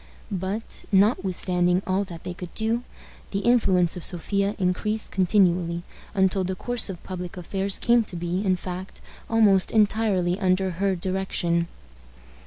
But, notwithstanding all that they could do, the influence of Sophia increased continually, until the course of public affairs came to be, in fact, almost entirely under her direction.